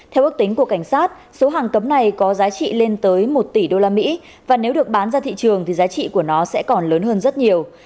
theo ước tính của cảnh sát số hàng cấm này có giá trị lên tới một tỷ usd và nếu được bán ra thị trường thì giá trị của nó sẽ còn lớn hơn rất nhiều